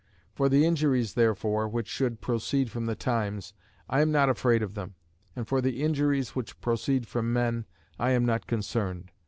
For the injuries, therefore, which should proceed from the times, I am not afraid of them; and for the injuries which proceed from men, I am not concerned.